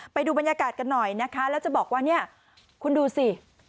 ไปดูบรรยากาศกันหน่อยนะคะแล้วจะบอกว่าเนี่ยคุณดูสิ